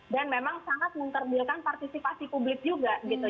dan memang sangat mengkerbilkan partisipasi publik juga gitu